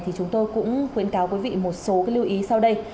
thì chúng tôi cũng khuyến cáo quý vị một số cái lưu ý sau đây